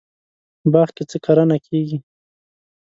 باغ کې څه کرنه کیږي؟